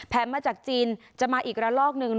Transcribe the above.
มาจากจีนจะมาอีกระลอกหนึ่ง